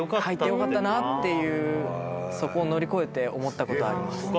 入ってよかったなってそこを乗り越えて思ったことあります。